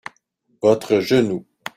votre genou.